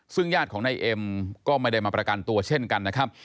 ซึ่งญาติของนายเอ็มก็ไม่ได้มาประกันตัวเช่นกันนะครับ